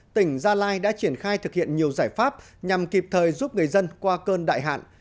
tỉnh gia lai đã triển khai thực hiện nhiều giải pháp nhằm kịp thời giúp người dân qua cơn đại hạn